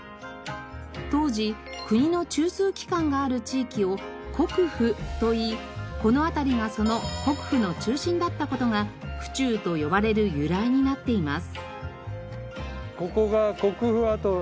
当時国の中枢機関がある地域を国府といいこの辺りがその国府の中心だった事が府中と呼ばれる由来になっています。